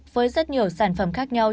với rất nhiều sản phẩm khác nhau